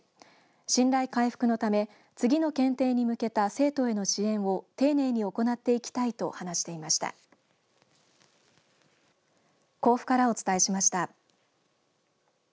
信頼回復のため次の検定に向けた生徒への支援を丁寧に行っていきたいと話していました。